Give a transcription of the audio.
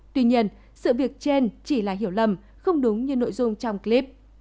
tuy nhiên sự việc trên chỉ là hiểu lầm không đúng như nội dung trong clip